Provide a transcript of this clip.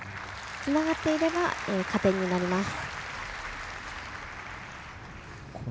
つながっていれば加点になります。